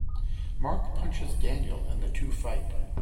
Mark punches Daniel and the two fight.